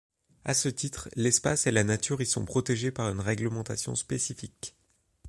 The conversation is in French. À ce titre, l'espace et la nature y sont protégés par une réglementation spécifique.